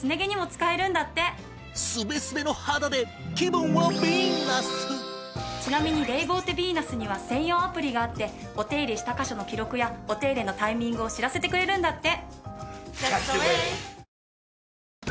顔はもちろんちなみにレイボーテヴィーナスには専用アプリがあってお手入れした箇所の記録やお手入れのタイミングを知らせてくれるんだって。